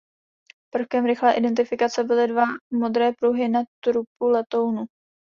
Prvkem rychlé identifikace byly dva modré pruhy na trupu letounu.